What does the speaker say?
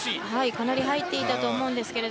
かなり入っていたと思うんですけど。